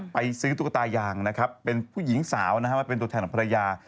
ไปซื้อตุ๊กตายางเป็นผู้หญิงสาวเป็นตัวแทนของภรรยา